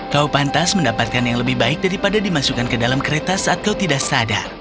kau pantas mendapatkan yang lebih baik daripada dimasukkan ke dalam kereta saat kau tidak sadar